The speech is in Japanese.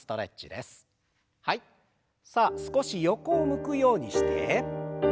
さあ少し横を向くようにして。